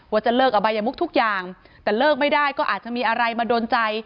ว่าจะเลิกอบายมุกทุกอย่างแต่เลิกไม่ได้ก็อาจจะมีอะไรมาโดนใจ